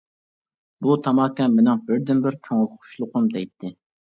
بۇ تاماكا مېنىڭ بىردىنبىر كۆڭۈل خۇشلۇقۇم-دەيتتى.